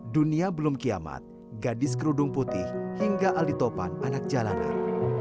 dunia belum kiamat gadis kerudung putih hingga alitopan anak jalanan